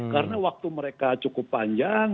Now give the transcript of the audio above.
karena waktu mereka cukup panjang